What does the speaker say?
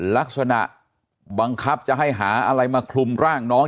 ลักษณะบังคับจะให้หาอะไรมาคลุมร่างน้อง